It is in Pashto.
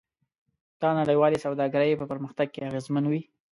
دا نړیوالې سوداګرۍ په پرمختګ کې اغیزمن وي.